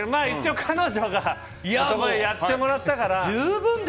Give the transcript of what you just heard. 一応、彼女のことやってもらったから。